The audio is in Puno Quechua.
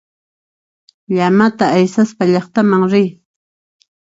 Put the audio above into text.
Llamata aysaspa llaqtaman riy.